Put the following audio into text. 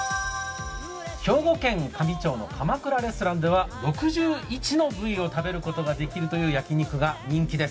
兵庫県香美町のかまくらレストランでは６１の部位を食べることができるという焼き肉が人気です。